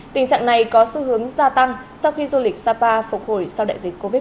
tình trạng này có xu hướng gia tăng sau khi du lịch sapa phục hồi sau đại dịch covid một mươi chín